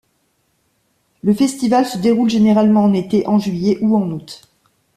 Le festival se déroule généralement en été, en juillet ou en août.